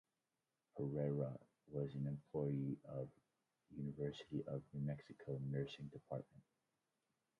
Herrera was an employee of University of New Mexico Nursing Department.